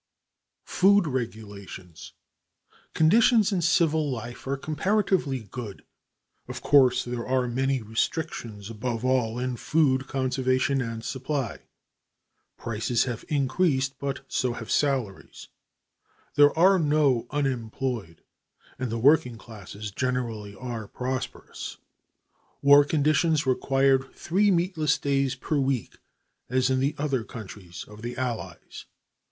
Food Regulations Conditions in civil life are comparatively good. Of course, there are many restrictions, above all in food conservation and supply. Prices have increased, but so have salaries. There are no unemployed, and the working classes generally are prosperous. War conditions required three meatless days per week, as in the other countries of the Allies.